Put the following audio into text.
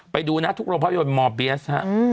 ไปดูนะทุกโรงพยาบาลมอบเบียส